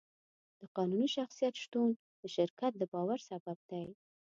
د قانوني شخصیت شتون د شرکت د باور سبب دی.